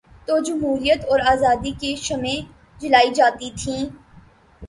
تو جمہوریت اور آزادی کی شمعیں جلائی جاتی تھیں۔